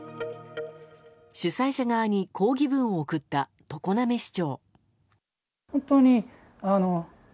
主催者側に抗議文を送った常滑市長。